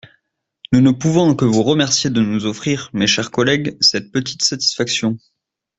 Nous ne pouvons que vous remercier de nous offrir, mes chers collègues, cette petite satisfaction.